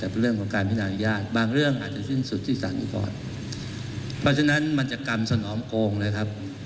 เพราะฉะนั้นมันจะกำสนอมโกงเลยครับ